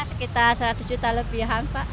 sekitar seratus juta lebihan pak